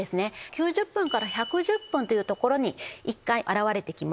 ９０分から１１０分という所に１回表れてきます。